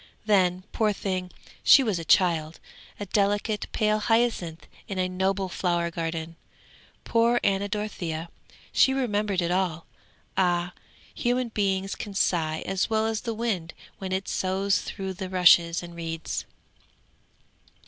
Then, poor thing, she was a child, a delicate, pale hyacinth in a noble flower garden. Poor Anna Dorothea; she remembered it all! Ah, human beings can sigh as well as the wind when it soughs through the rushes and reeds.